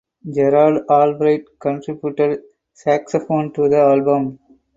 Gerald Albright contributed saxophone to the album.